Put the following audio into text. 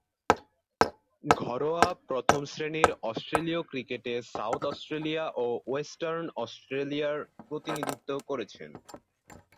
ঘরোয়া প্রথম-শ্রেণীর অস্ট্রেলীয় ক্রিকেটে সাউথ অস্ট্রেলিয়া ও ওয়েস্টার্ন অস্ট্রেলিয়ার প্রতিনিধিত্ব করেছেন।